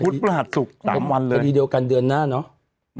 พฤหัสศุกร์๓วันเลยคดีเดียวกันเดือนหน้าเนอะ